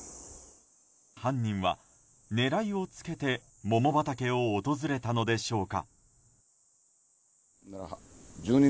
犯人は狙いをつけて桃畑を訪れたのでしょうか。